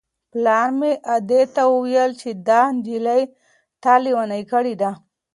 پلار مې ادې ته وویل چې دا نجلۍ تا لېونۍ کړې ده.